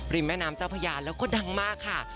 แม่น้ำเจ้าพญาแล้วก็ดังมากค่ะ